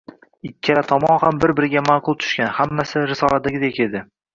Ikkala tomon ham bir-biriga ma`qul tushgan, hammasi risoladagidek edi